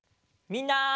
みんな！